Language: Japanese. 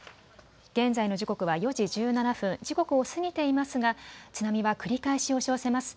現在の時刻は４時１７分、時刻を過ぎていますが津波は繰り返し押し寄せます。